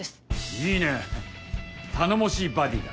いいね頼もしいバディだ。